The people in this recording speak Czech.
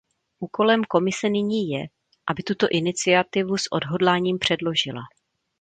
Úkolem Komise nyní je, aby tuto iniciativu s odhodláním předložila.